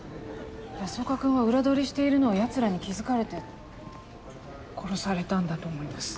安岡くんは裏取りしているのを奴らに気づかれて殺されたんだと思います。